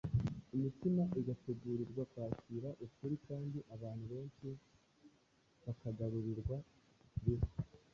imitima igategurirwa kwakira ukuri kandi abantu benshi bakagarurirwa Kristo.